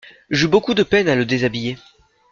J'eus beaucoup de peine à le déshabiller.